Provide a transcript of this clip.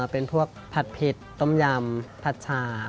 เป็นพวกผัดเผ็ดต้มยำผัดชา